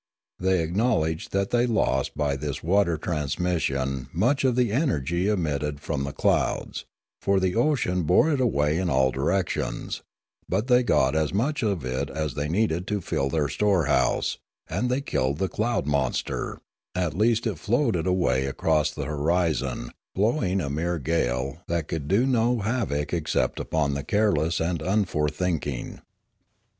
They acknowledged that they lost by this water transmission much of the energy emitted from the clouds; for the ocean bore it away in all direc tions; but they got as much of it as they needed to fill their storehouse, and they killed the cloud monster; at least it floated away across the horizon blowing a mere gale that could do no havoc except upon the careless and unforethinking.